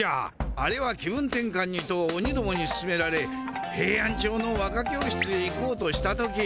あれは気分転かんにとオニどもにすすめられヘイアンチョウの和歌教室へ行こうとした時。